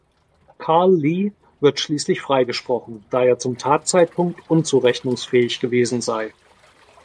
Carl Lee wird schließlich freigesprochen, da er zum Tatzeitpunkt unzurechnungsfähig gewesen sei.